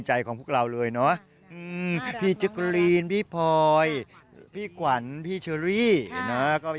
โอ้โหขอบคุณมากเลย